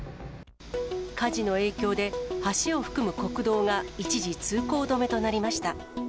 火事の影響で、橋を含む国道が一時通行止めとなりました。